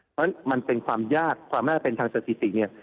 เพราะฉะนั้นมันเป็นความยากความน่าจะเป็นทางสถิติเนี่ย